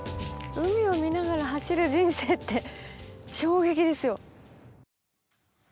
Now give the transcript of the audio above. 海を見ながら走る人生って衝撃ですよ。